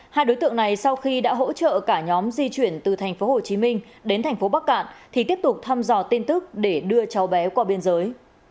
hai đối tượng này sau khi đã hỗ trợ cả nhóm di chuyển từ tp hcm đến thành phố bắc cạn thì tiếp tục thăm dò tin tức để đưa cháu bé qua biên giới